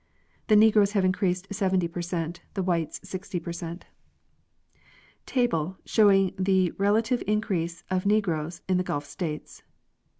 The negroes have increased 70 per cent, the whites 60 percent. Table showing the relative Increase of Negroes in the Gulf States. 1860.